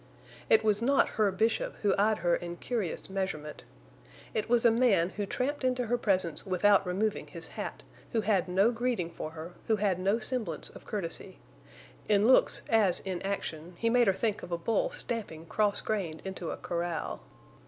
It was not her Bishop who eyed her in curious measurement. It was a man who tramped into her presence without removing his hat, who had no greeting for her, who had no semblance of courtesy. In looks, as in action, he made her think of a bull stamping cross grained into a corral.